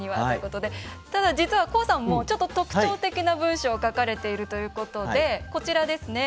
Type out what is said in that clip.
ただ、実はＫＯＯさんもちょっと特徴的な文章を書かれているということでこちらですね。